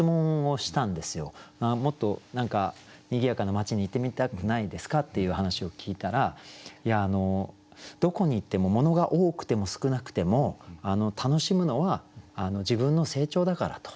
もっと何かにぎやかな街に行ってみたくないですか？っていう話を聞いたらどこに行ってもものが多くても少なくても楽しむのは自分の成長だからと。